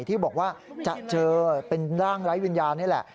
ที่บอกว่าจะเจอเป็นร่างไร้วิญญาณนี่แหละ